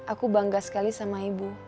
aku bangga sekali sama ibu